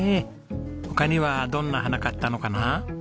他にはどんな花買ったのかな？